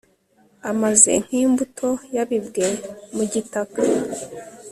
amaze nk'imbuto yabibwe mu gitaka